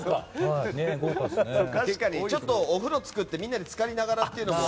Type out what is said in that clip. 確かに、お風呂作ってみんなで浸かりながらっていうのも。